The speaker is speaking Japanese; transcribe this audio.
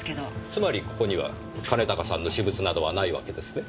つまりここには兼高さんの私物などはないわけですね？